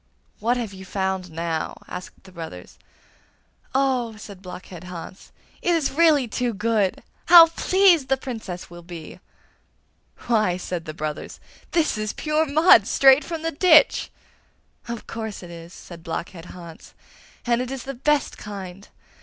'What have you found now?' asked the brothers. 'Oh,' said Blockhead Hans, 'it is really too good! How pleased the Princess will be!' 'Why!' said the brothers, 'this is pure mud, straight from the ditch.' 'Of course it is!' said Blockhead Hans, 'and it is the best kind!